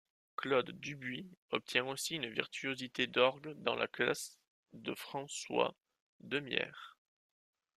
Claude Dubuis obtient aussi une virtuosité d'orgue dans la classe de François Demierre.